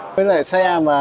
với loại xe mà